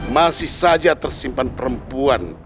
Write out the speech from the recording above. masih saja tersimpan perempuan